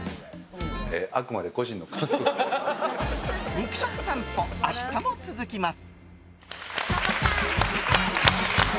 肉食さんぽ、明日も続きます。